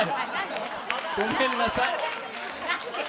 ごめんなさい。